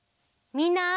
みんな。